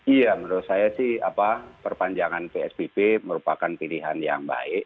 iya menurut saya sih perpanjangan psbb merupakan pilihan yang baik